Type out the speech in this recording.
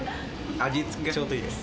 味つけはちょうどいいです。